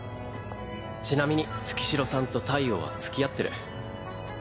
ちなみに月代さんと太陽はつきあってる。